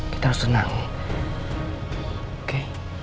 kita harus senang oke